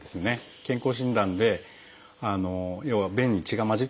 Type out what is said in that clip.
健康診断で要は便に血が混じってるか。